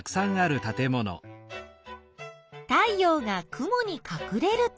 太陽が雲にかくれると？